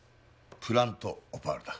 プラントオパールだ。